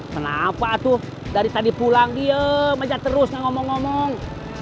kenapa tuh dari tadi pulang diem aja terus ngomong ngomong